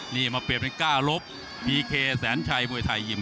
นี่มาเปลี่ยนเป็นก้าลบพีเคแสนชัยมวยไทยยิม